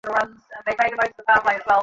এই বলিয়া তিনি প্রস্থানের উপক্রম করিলেন।